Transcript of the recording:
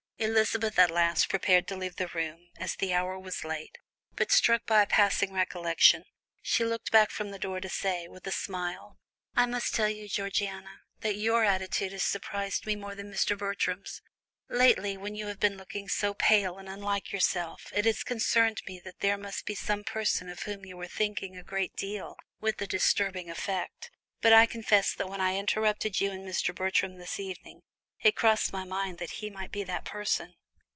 Elizabeth at last prepared to leave the room, as the hour was late, but struck by a passing recollection, she looked back from the door to say, with a smile: "I must tell you, Georgiana, that your attitude has surprised me more than Mr. Bertram's. Lately, when you have been looking so pale and unlike yourself, it has occurred to me that there must be some person of whom you were thinking a great deal, with a disturbing effect; and I confess that when I interrupted you and Mr. Bertram this evening, it crossed my mind that he might be that person."